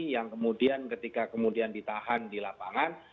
yang kemudian ketika kemudian ditahan di lapangan